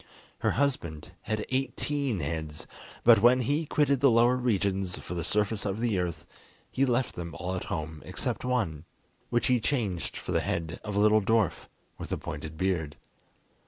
Her husband had eighteen heads, but when he quitted the lower regions for the surface of the earth, he left them all at home except one, which he changed for the head of a little dwarf, with a pointed beard.